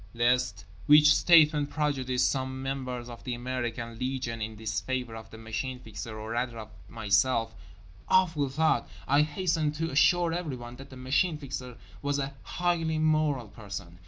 Lest which statement prejudice some members of the American Legion in disfavour of the Machine Fixer or rather of myself—awful thought—I hasten to assure everyone that the Machine Fixer was a highly moral person.